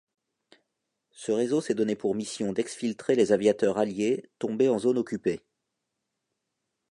Ce réseau s'est donné pour mission d'exfiltrer les aviateurs alliés tombés en zone occupée.